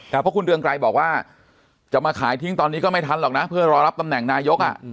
แต่เพราะคุณเรืองไกรบอกว่าจะมาขายทิ้งตอนนี้ก็ไม่ทันหรอกนะเพื่อรอรับตำแหน่งนายก